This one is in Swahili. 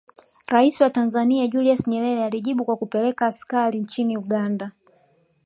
Rais wa Tanzania Julius Nyerere alijibu kwa kupeleka askari nchini Uganda